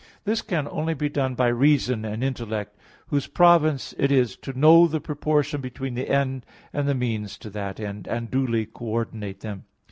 This can only be done by reason and intellect; whose province it is to know the proportion between the end and the means to that end, and duly coordinate them.